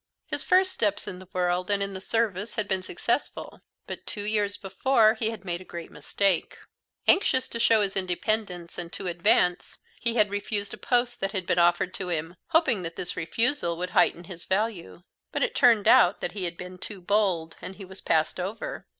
His first steps in the world and in the service had been successful, but two years before he had made a great mistake. Anxious to show his independence and to advance, he had refused a post that had been offered him, hoping that this refusal would heighten his value; but it turned out that he had been too bold, and he was passed over.